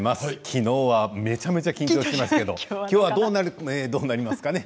きのうはめちゃめちゃ緊張してましたけどきょうは、どうなりますかね。